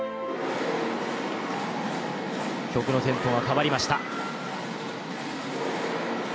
曲のテンポが変わりました。